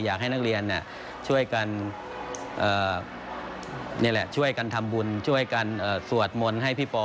อยากให้นักเรียนช่วยกันนี่แหละช่วยกันทำบุญช่วยกันสวดมนต์ให้พี่ปอ